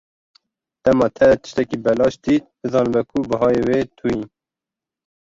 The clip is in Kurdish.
Dema te tiştekî belaş dît, bizanibe ku bihayê wê tu yî.